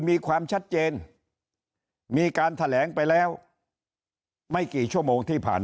มีความชัดเจนมีการแถลงไปแล้วไม่กี่ชั่วโมงที่ผ่าน